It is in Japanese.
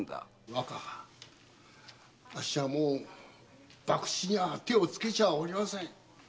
若あっしはもう博打には手をつけちゃおりません。